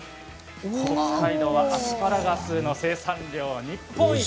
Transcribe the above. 北海道はアスパラガスの生産が日本一。